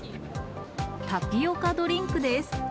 タピオカドリンクです。